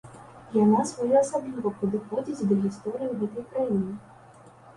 Яна своеасабліва падыходзіць да гісторыі гэтай краіны.